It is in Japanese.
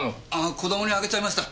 子供にあげちゃいました。